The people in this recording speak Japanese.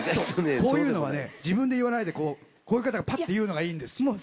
こういうのはね自分で言わないでこういう方がパッと言うのがいいんですよ。